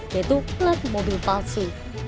yaitu pelat mobil palsu